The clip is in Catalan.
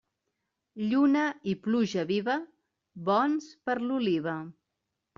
Lluna i pluja viva, bons per l'oliva.